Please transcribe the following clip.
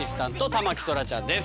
田牧そらちゃんです。